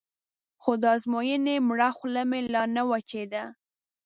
خو د ازموینې مړه خوله مې لا نه وچېده.